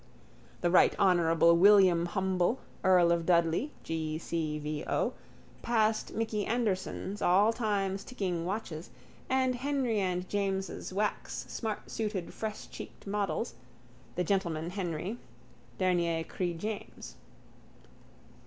The Right Honourable William Humble, earl of Dudley, G. C. V. O., passed Micky Anderson's all times ticking watches and Henry and James's wax smartsuited freshcheeked models, the gentleman Henry, dernier cri James.